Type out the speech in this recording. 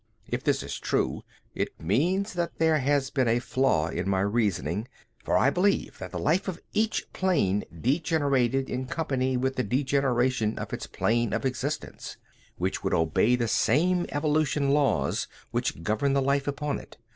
If this is true it means that there has been a flaw in my reasoning, for I believed that the life of each plane degenerated in company with the degeneration of its plane of existence, which would obey the same evolutional laws which govern the life upon it.